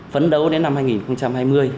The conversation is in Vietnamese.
phấn đấu đến năm hai nghìn hai mươi